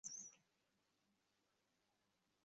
তো, স্কুল তো শীঘ্রই খুলবে, উত্তেজিত রয়েছো?